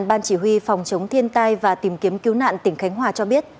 ban chỉ huy phòng chống thiên tai và tìm kiếm cứu nạn tỉnh khánh hòa cho biết